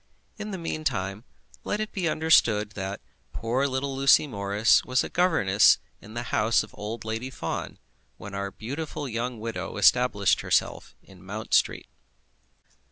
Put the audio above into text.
In the meantime, let it be understood that poor little Lucy Morris was a governess in the house of old Lady Fawn, when our beautiful young widow established herself in Mount Street.